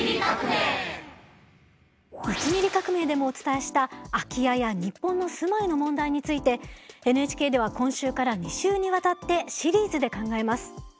「１ミリ革命」でもお伝えした空き家や日本の住まいの問題についてＮＨＫでは今週から２週にわたってシリーズで考えます。